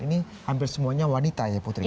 ini hampir semuanya wanita ya putri